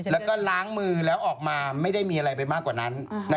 แล้วก็ล้างมือแล้วออกมาไม่ได้มีอะไรไปมากกว่านั้น